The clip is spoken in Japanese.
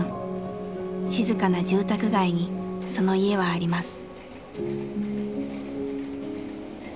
静かな住宅街にその家はあります。